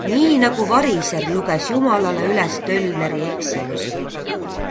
Nii nagu variser luges Jumalale üles tölneri eksimusi.